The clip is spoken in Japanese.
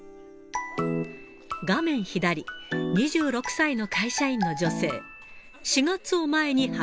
画面左、２６歳の会社員の女性。